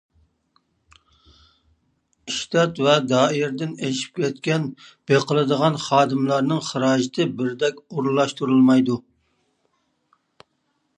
ئىشتات ۋە دائىرىدىن ئېشىپ كەتكەن بېقىلىدىغان خادىملارنىڭ خىراجىتى بىردەك ئورۇنلاشتۇرۇلمايدۇ.